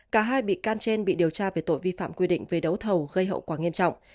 cả hai bị can trên bị điều tra về tội vi phạm quy định về đấu thầu gây hậu quả nghiêm trọng